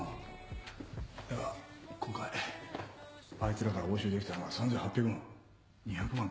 だが今回あいつらから押収できたのは３，８００万。